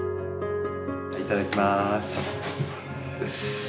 いただきまーす。